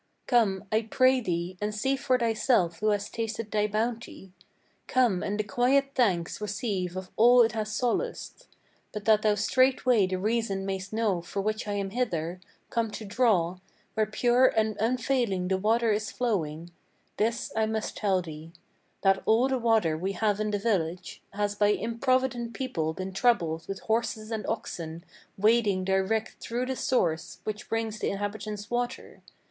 Come, I pray thee, and see for thyself who has tasted thy bounty; Come, and the quiet thanks receive of all it has solaced. But that thou straightway the reason mayst know for which I am hither Come to draw, where pure and unfailing the water is flowing, This I must tell thee, that all the water we have in the village Has by improvident people been troubled with horses and oxen Wading direct through the source which brings the inhabitants water.